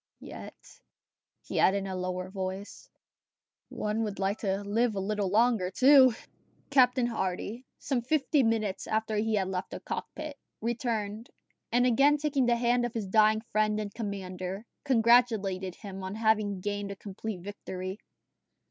"Yet," he added in a lower voice, "one would like to live a little longer, too!" Captain Hardy, some fifty minutes after he had left the cockpit, returned, and again taking the hand of his dying friend and commander, congratulated him on having gained a complete victory.